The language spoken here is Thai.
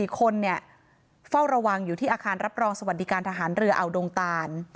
๔คนเฝ้าระวังอยู่ที่อาคารรับรองสวัสดิการทหารเรืออ่าวดงตาน